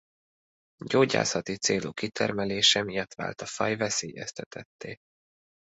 Gyógyászati célú kitermelése miatt vált a faj veszélyeztetetté.